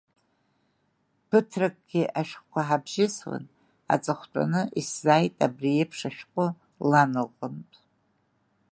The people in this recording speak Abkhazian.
Ԥыҭракгьы ашәҟәқәа ҳабжьысуан, аҵыхәтәаны исзааит абри еиԥш ашәҟәы лан лҟынтә…